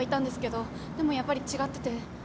でもやっぱり違ってて。